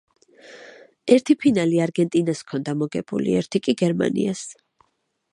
ერთი ფინალი არგენტინას ჰქონდა მოგებული, ერთი კი გერმანიას.